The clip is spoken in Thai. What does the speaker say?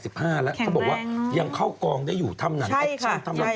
ก็บอกว่าเห็นว่ายังเข้ากองได้อยู่ทำการไทย